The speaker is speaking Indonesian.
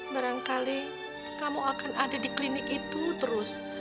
barangkali kamu akan ada di klinik itu terus